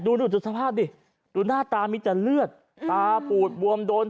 ดูสภาพดิดูหน้าตามีแต่เลือดตาปูดบวมโดน